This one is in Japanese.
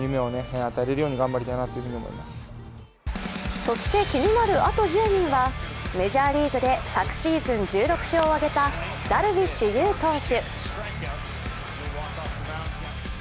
そして気になるあと１０人はメジャーリーグで昨シーズン１６勝を挙げたダルビッシュ有投手。